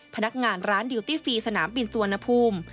พนักงานร้านดิวตี้ฟรีสนามบินสุวรรณภูมิ